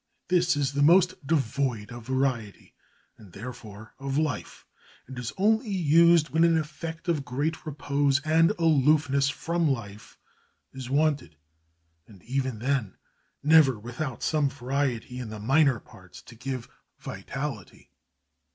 This is the most devoid of variety, and therefore of life, and is only used when an effect of great repose and aloofness from life is wanted; and even then, never without some variety in the minor parts to give vitality.